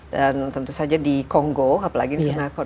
dan tentu saja di kongo apalagi di senangkota